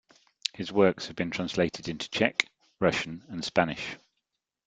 His works have been translated into Czech, Russian and Spanish.